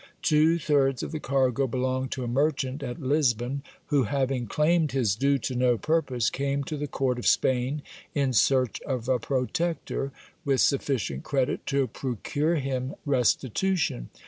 Two thirds of the cargo belonged to a merchant at Lisbon, who, having claimed his due to no purpose, came to the court of Spain in search of a protector, with sufficient credit to procure him restitution.